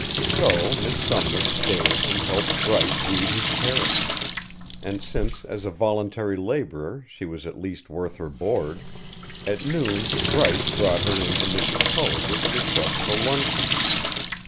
So Miss Sumner stayed and helped Bryce weed his carrots, and since as a voluntary labourer she was at least worth her board, at noon Bryce brought her in to Mrs. Tully with a request for luncheon.